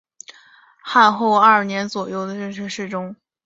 后汉干佑二年窦偁中进士。